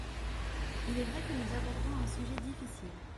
Il est vrai que nous abordons un sujet difficile.